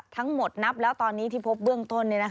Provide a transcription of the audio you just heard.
ทั้งหมดนับแล้วตอนนี้ที่พบเบื้องต้น